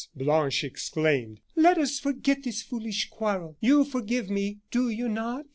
Blanche exclaimed; "let us forget this foolish quarrel. You forgive me, do you not?"